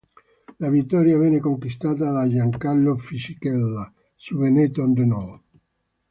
La vittoria venne conquistata da Giancarlo Fisichella su Benetton-Renault.